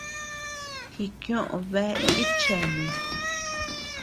Jikioʼö bea itcheanu.